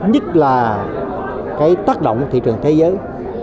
nhất là cái tác động thị trường thế giới